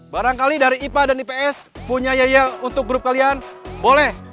barangkali dari ipa dan ips punya yayal untuk grup kalian boleh